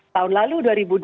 tahun lalu dua ribu dua puluh